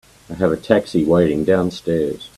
I have a taxi waiting downstairs.